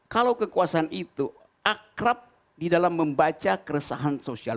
kalau kekuasaan itu akrab di dalam membaca keresahan sosial